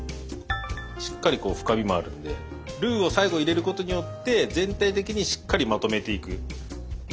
しっかりこう深みもあるんでルーを最後入れることによって全体的にしっかりまとめていく。